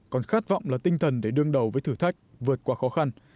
còn khát vọng là tinh thần để đương đầu với thử thách vượt qua khó khăn